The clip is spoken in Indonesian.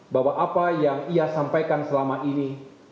bahwa apa yang ia sampaikan selama ini